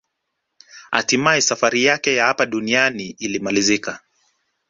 Hatimaye safari yake ya hapa duniani ilimalizika